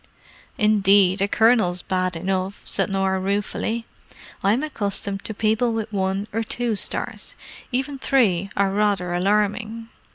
"Indeed, a colonel's bad enough," said Norah ruefully. "I'm accustomed to people with one or two stars: even three are rather alarming!"